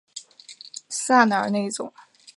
萨尔内总统镇是巴西马拉尼昂州的一个市镇。